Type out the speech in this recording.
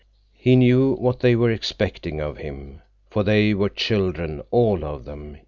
He knew what they were expecting of him, for they were children, all of them.